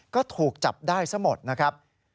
ก็ถูกจับได้สมมตินะครับ